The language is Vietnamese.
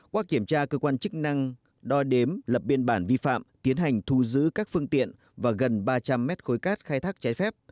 qua kiểm tra cơ quan chức năng đo đếm lập biên bản vi phạm tiến hành thu giữ các phương tiện và gần ba trăm linh mét khối cát khai thác trái phép